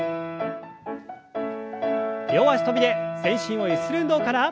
両脚跳びで全身をゆする運動から。